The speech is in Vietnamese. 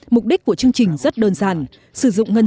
mục đích của chương trình rất đơn giản